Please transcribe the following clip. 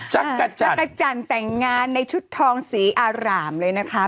จักรจันทร์จักรจันทร์แต่งงานในชุดทองสีอารามเลยนะคะ